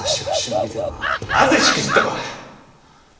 なぜしくじったか！